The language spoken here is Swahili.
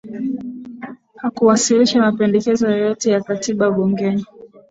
hakuwasilisha mapendekezo yoyote ya katiba bungeni